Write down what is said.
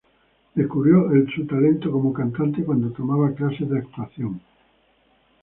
Descubrió su talento como cantante cuando tomaba clases de actuación.